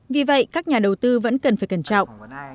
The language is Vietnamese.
vì vậy các nhà đầu tư vẫn cần phải cẩn trọng